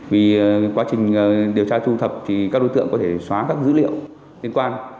vì quá trình điều tra thu thập thì các đối tượng có thể xóa các dữ liệu liên quan